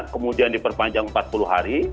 kemudian diperpanjang empat puluh hari